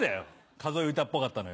数え歌っぽかったの。